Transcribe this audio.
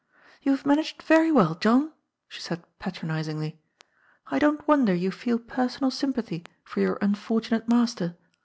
*' You have managed very well, John," she said patronisingly. " I don't wonder you feel personal sympathy for your unfortu nate master.